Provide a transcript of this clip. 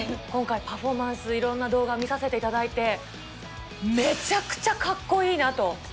今回、パフォーマンス、いろんな動画見させていただいて、めちゃくちゃかっこいいなと。